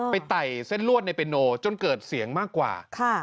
ไต่เส้นลวดในเปโนจนเกิดเสียงมากกว่า